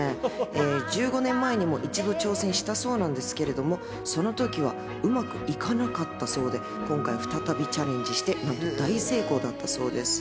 １５年前にも一度挑戦したそうなんですけど、その時はうまくいかなかったそうで、今回再びチャレンジして大成功だったそうです。